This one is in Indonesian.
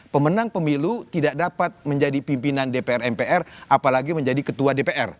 pemenang pemilu tidak dapat menjadi pimpinan dpr mpr apalagi menjadi ketua dpr